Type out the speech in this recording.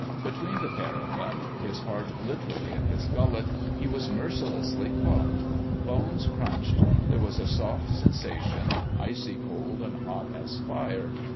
Between the pair of them his heart literally in his gullet he was mercilessly caught.... Bones crunched.... There was a soft sensation, icy cold and hot as fire.